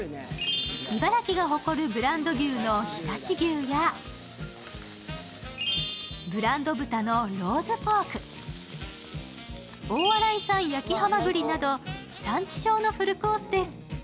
茨城が誇るブランド牛の常陸牛やブランド豚のローズポーク、大洗産・焼きはまぐりなど、地産地消のフルコースです。